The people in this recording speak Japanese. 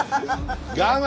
我慢？